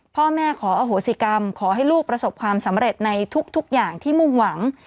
พ่อแม่ขออโหสิกรรมขอให้ลูกประสบความสำเร็จในทุกอย่างที่มุ่งหวัง